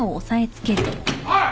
おい！